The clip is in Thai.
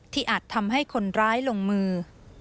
อาจทำให้คนร้ายลงมือ